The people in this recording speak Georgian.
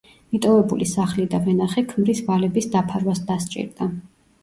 მიტოვებული სახლი და ვენახი ქმრის ვალების დაფარვას დასჭირდა.